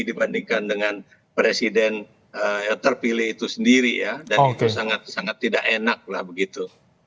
dibandingkan dengan presiden terpilih itu sendiri ya dan itu sangat sangat tidak enak lah begitu